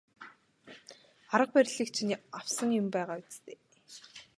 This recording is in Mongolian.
Арга барилыг чинь авсан юм байгаа биз дээ.